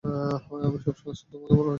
আমি সবসময় শুধু তোমাকে ভালবাসি, পূজা।